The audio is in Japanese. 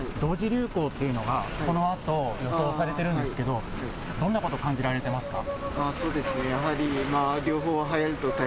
流行っていうのがこのあと予想されているんですけどどんなこと感じられていますか。